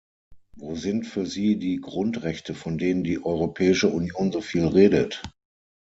Wo sind für sie die Grundrechte, von denen die Europäische Union so viel redet?